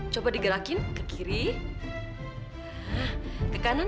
supaya kamu gak baset